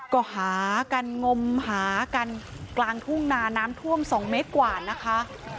ก็หากันงมหากันกลางทุ่งนาน้ำท่วม๒เมตรกว่านะคะ